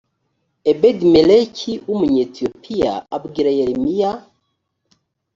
ebedimeleki w umunyetiyopiya abwira yeremiya